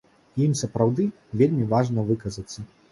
І ім сапраўды вельмі важна выказацца.